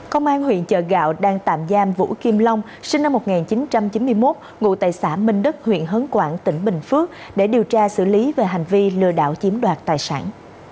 công an huyện chợ gạo đang tạm giam vũ kim long sinh năm một nghìn chín trăm chín mươi một ngụ tại xã minh đức huyện hớn quảng tỉnh bình phước để điều tra xử lý về hành vi lừa đảo chiếm đoạt tài sản